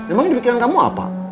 emang ini di pikiran kamu apa